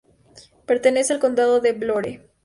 Pertenece al condado de Vlorë.